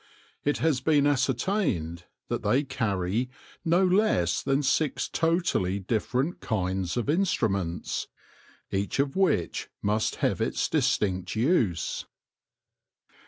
It has been ascertained that they carry no less than six totally different kinds of instruments, each of which must have its distinct use.